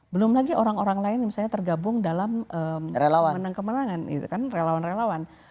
belum lagi orang orang lain misalnya tergabung dalam kemenangan kemenangan